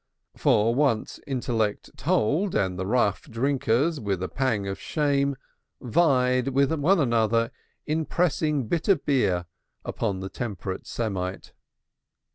For once intellect told, and the rough drinkers, with a pang of shame, vied with one another in pressing bitter beer upon the temperate Semite.